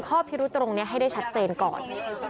พิรุธตรงนี้ให้ได้ชัดเจนก่อน